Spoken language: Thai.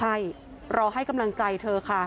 ใช่รอให้กำลังใจเธอค่ะ